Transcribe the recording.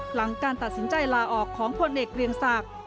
หลังการตัดสินใจลาออกของพลเอกเรียงศักดิ์